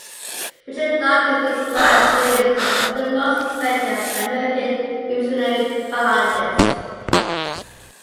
Richard Dawkins describes Williams as "one of the most respected of American evolutionary biologists".